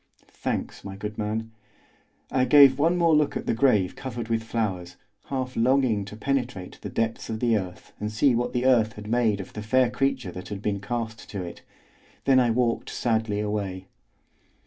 "Thanks, my good man." I gave one more look at the grave covered with flowers, half longing to penetrate the depths of the earth and see what the earth had made of the fair creature that had been cast to it; then I walked sadly away.